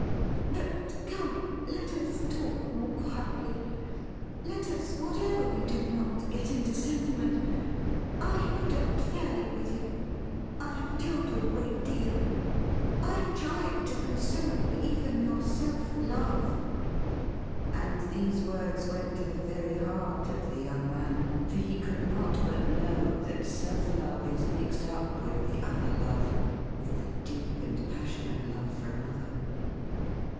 But come, let us talk more quietly. Let us, whatever we do, not get into sentiment. I have dealt fairly with you ; I have told you a great deal. I have tried to console even your self love '— and these words went to the very heart of the young man, for he could not but know that self love is mixed up with the other love, with the deep and passionate love for another.